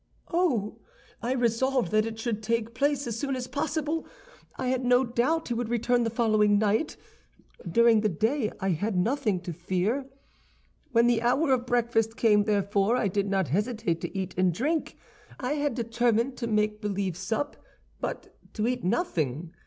"Oh, I resolved that it should take place as soon as possible. I had no doubt he would return the following night. During the day I had nothing to fear. "When the hour of breakfast came, therefore, I did not hesitate to eat and drink. I had determined to make believe sup, but to eat nothing.